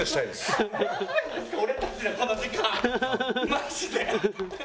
マジで！